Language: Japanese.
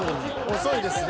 ［遅いですね］